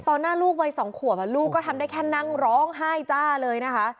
หน้าลูกวัย๒ขวบลูกก็ทำได้แค่นั่งร้องไห้จ้าเลยนะคะ